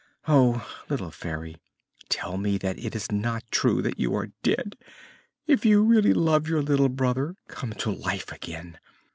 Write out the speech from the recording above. Oh, little Fairy, tell me that it is not true that you are dead! If you really love your little brother, come to life again.